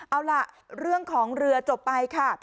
เอาล่ะเรื่องของเรือจบไปค่ะ